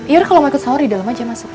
yur kalo mau ikut saur di dalem aja